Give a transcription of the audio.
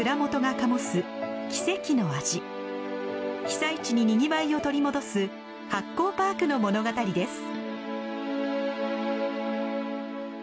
被災地ににぎわいを取り戻す発酵パークの物語です。